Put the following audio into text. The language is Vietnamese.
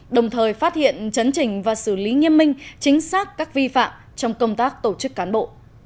đồng thời phát hiện chấn trình và xử lý nghiêm minh chính xác các vi phạm trong công tác tổ chức cán bộ